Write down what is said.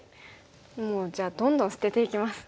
もうじゃあどんどん捨てていきます。